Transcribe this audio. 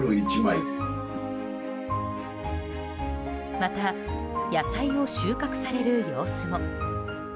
また、野菜を収穫される様子も。